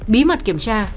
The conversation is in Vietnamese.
bí mật kiểm tra